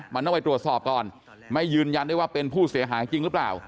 มันต้องไปตรวจสอบก่อนไม่ยืนยันได้ว่าเป็นผู้เสียหายจริงหรือเปล่า